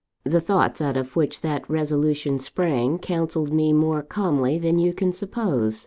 "The thoughts out of which that resolution sprang, counselled me more calmly than you can suppose.